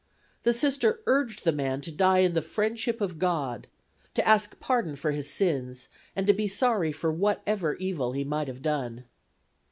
The Sister urged the man to die in the friendship of God, to ask pardon for his sins, and to be sorry for whatever evil he might have done.